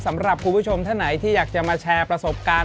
สำหรับคุณผู้ชมท่านไหนที่อยากจะมาแชร์ประสบการณ์